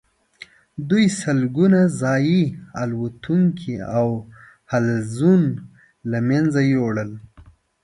دوی سلګونه ځايي الوتونکي او حلزون له منځه یوړل.